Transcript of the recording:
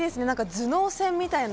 頭脳戦みたいな。